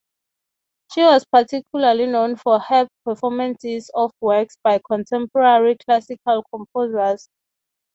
She was particularly known for her performances of works by contemporary classical composers.